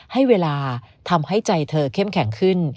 ให้เวลาทำให้ใจเธอเข้มแข็งขึ้น